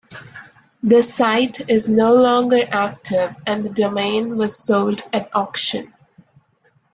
The site is no longer active and the domain was sold at auction.